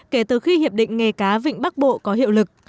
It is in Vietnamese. kể từ khi hiệp định nghề cá vịnh bắc bộ có hiệu lực